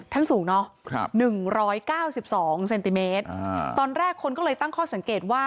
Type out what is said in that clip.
สูงเนอะ๑๙๒เซนติเมตรตอนแรกคนก็เลยตั้งข้อสังเกตว่า